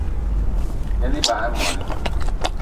Yen ebag í moní